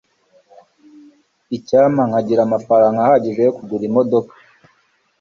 icyampa nkagira amafaranga ahagije yo kugura imodoka